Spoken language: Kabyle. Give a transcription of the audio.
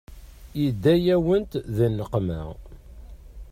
Yedda-yawent di nneqma.